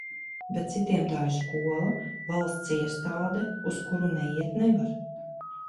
Bet citiem tā ir skola, valsts iestāde, uz kuru neiet nevar.